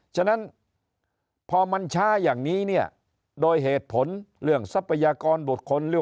ฉะนั้นพอมันช้าอย่างนี้เนี่ยโดยเหตุผลเรื่องทรัพยากรบุคคล